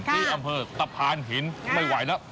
ที่อำเภอตะพานหินไม่ไหวแล้ว